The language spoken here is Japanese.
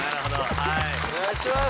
お願いします！